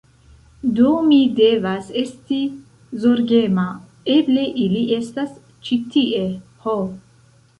Do mi devas esti zorgema. Eble ili estas ĉi tie! Ho!